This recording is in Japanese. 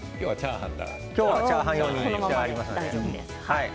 今日はチャーハン用に変えてあります。